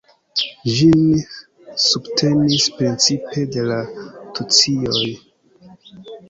Ĝin subtenis precipe la tucioj.